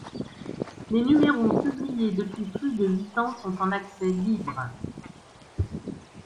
Les numéros publiés depuis plus de huit ans sont en accès libre.